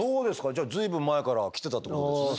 じゃあ随分前から来てたってことですね。